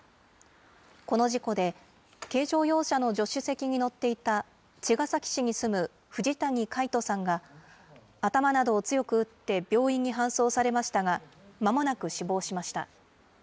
この事故で、軽乗用車の助手席に乗っていた茅ヶ崎市に住む藤谷海人さんが頭などを強く打って病院に搬送されましたが、まもなく死亡しました。